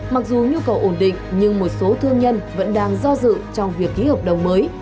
mặc dù nhu cầu ổn định nhưng một số thương nhân vẫn đang do dự trong việc ký hợp đồng mới